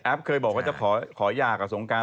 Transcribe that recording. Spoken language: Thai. แอฟเคยบอกว่าจะขอยากกับสงการ